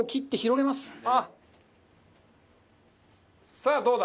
さあどうだ？